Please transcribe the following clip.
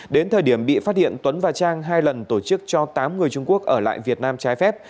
đến thời điểm bị phát hiện tuấn và trang hai lần tổ chức cho tám người trung quốc ở lại việt nam trái phép